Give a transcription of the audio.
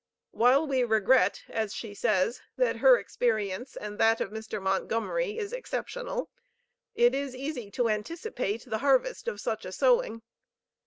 While we regret, as she says, that her experience and that of Mr. Montgomery is exceptional, it is easy to anticipate the harvest of such a sowing.